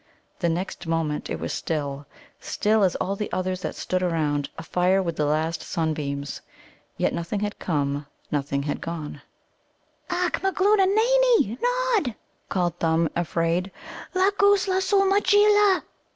The next moment it was still still as all the others that stood around, afire with the last sunbeams. Yet nothing had come, nothing gone. "Acch magloona nani, Nod," called Thumb, afraid, "lagoosla sul majeela!"